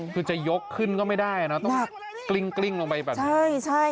คือจะยกขึ้นก็ไม่ได้นะต้องกลิ้งลงไปแบบนี้ใช่ใช่